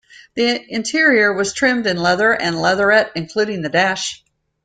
The interior was trimmed in leather and leatherette, including the dash.